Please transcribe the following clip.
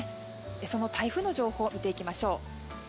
その台風の情報を見ていきましょう。